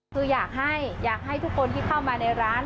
คืออยากให้อยากให้ทุกคนที่เข้ามาในร้าน